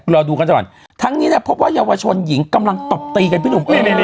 รอดูกันส่วนทั้งนี้พบว่ายาวชนหญิงกำลังตบตีกัน